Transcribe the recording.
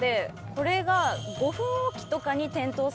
これが。